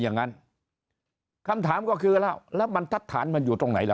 อย่างนั้นคำถามก็คือแล้วแล้วบรรทัศน์มันอยู่ตรงไหนเหรอ